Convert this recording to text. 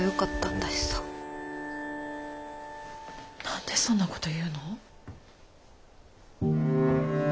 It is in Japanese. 何でそんなこと言うの。